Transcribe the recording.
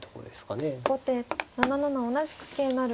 後手７七同じく桂成。